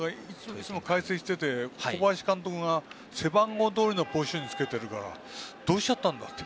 いつも解説をしていて小林監督が背番号どおりのポジションにつけているからどうしちゃったんだと思って。